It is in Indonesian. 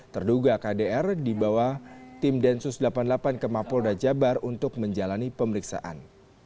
terduga kdr dibawa tim densus delapan puluh delapan ke mapolda jabar untuk menjalani pemeriksaan